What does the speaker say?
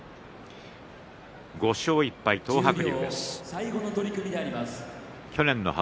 ５勝１敗、東白龍。